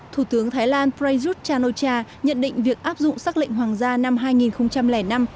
thủ tướng thái lan prayuth chan o cha nhận định việc áp dụng xác lệnh hoàng gia năm hai nghìn năm